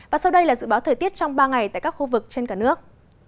và sau đây là dự báo thời tiết trong ba ngày tại các khu vực trên cả nước